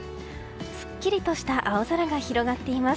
すっきりとした青空が広がっています。